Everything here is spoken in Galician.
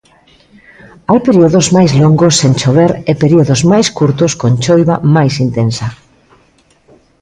Hai períodos máis longos sen chover e períodos máis curtos con choiva máis intensa.